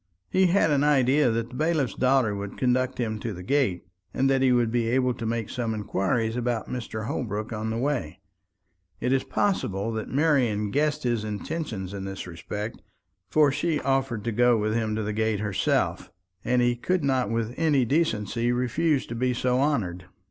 He had an idea that the bailiff's daughter would conduct him to the gate, and that he would be able to make some inquiries about Mr. Holbrook on his way. It is possible that Marian guessed his intentions in this respect; for she offered to go with him to the gate herself; and he could not with any decency refuse to be so honoured.